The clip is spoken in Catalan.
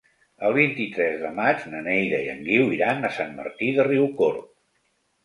El vint-i-tres de maig na Neida i en Guiu iran a Sant Martí de Riucorb.